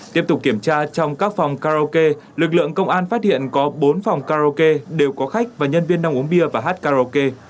tiếp tục kiểm tra trong các phòng karaoke lực lượng công an phát hiện có bốn phòng karaoke đều có khách và nhân viên đang uống bia và hát karaoke